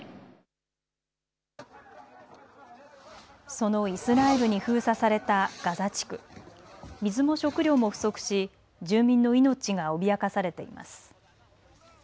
そのイスラエルに封鎖されたガザ地区水も食料も不足し住民の命が脅かされています。